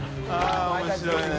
面白いね。